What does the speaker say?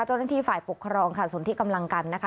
เจ้าหน้าที่ฝ่ายปกครองค่ะส่วนที่กำลังกันนะคะ